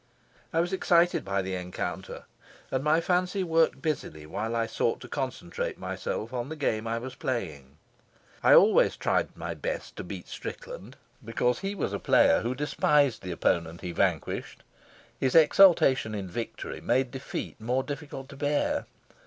I was excited by the encounter, and my fancy worked busily while I sought to concentrate myself on the game I was playing. I always tried my best to beat Strickland, because he was a player who despised the opponent he vanquished; his exultation in victory made defeat more difficult to bear.